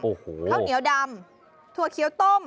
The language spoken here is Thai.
ข้าวเหนียวดำถั่วเคี้ยวต้ม